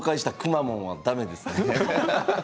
まモンはだめですね。